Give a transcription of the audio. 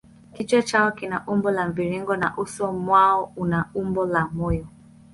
Kichwa chao kina umbo la mviringo na uso mwao una umbo la moyo.